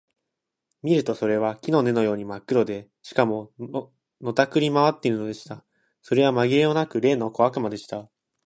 見るとそれは木の根のようにまっ黒で、しかも、のたくり廻っているのでした。それはまぎれもなく、例の小悪魔でした。